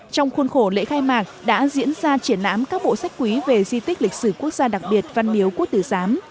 trong khuôn khổ lễ khai mạc đã diễn ra triển lãm các bộ sách quý về di tích lịch sử quốc gia đặc biệt văn miếu quốc tử giám